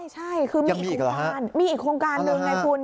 ใช่คือมีอีกโครงการมีอีกโครงการหนึ่งไงคุณ